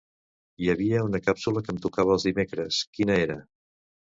Hi havia una càpsula que em tocava els dimecres, quina era?